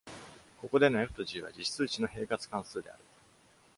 ここでの「f」と「g」は実数値の平滑関数である。